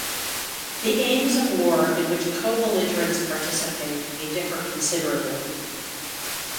The aims of war in which co-belligerents participate may differ considerably.